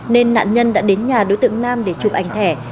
nên nạn nhân đã đến nhà đối tượng nam để chụp ảnh thẻ